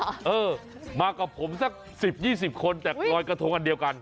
เออมากับผมสัก๑๐๒๐คนแต่ลอยกระทงอันเดียวกัน